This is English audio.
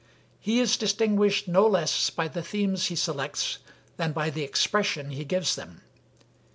He is distinguished no less by the themes he selects than by the expression he gives them.